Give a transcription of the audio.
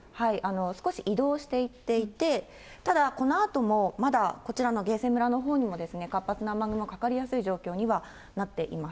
少し移動していっていて、ただ、このあとも、まだこちらの芸西村ほうにも活発な雨雲かかりやすい状況にはなっています。